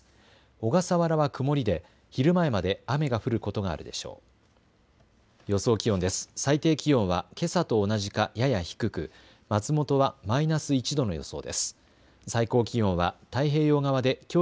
小笠原は曇りで昼前まで雨が降ることがあるでしょう。